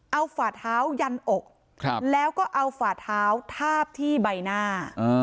เอาฝ่าเท้ายันอกแล้วก็เอาฝ่าเท้าทาบที่ใบหน้า